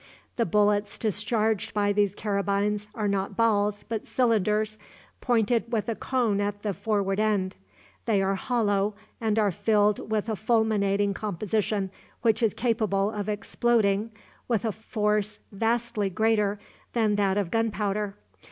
The bullets discharged by these carabines are not balls, but cylinders, pointed with a cone at the forward end. They are hollow, and are filled with a fulminating composition which is capable of exploding with a force vastly greater than that of gunpowder.